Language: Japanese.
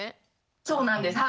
そうなんです。